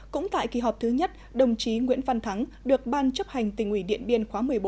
cũng tại kỳ họp thứ nhất đồng chí nguyễn văn thắng được ban chấp hành tỉnh ủy điện biên khóa một mươi bốn